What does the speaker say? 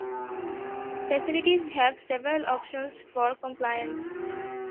Facilities have several options for compliance.